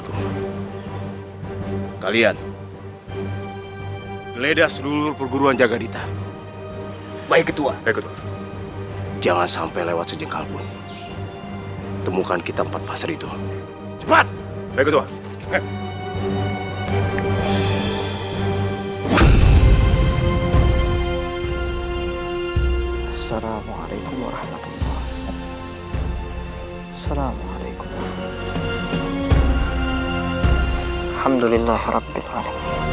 untuk menjaga hal hal yang tidak diinginkan